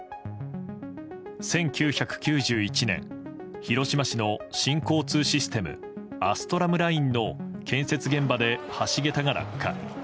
１９９１年広島市の新交通システムアストラムラインの建設現場で橋桁が落下。